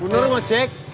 bunur mau cek